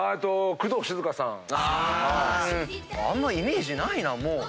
あんまイメージないな。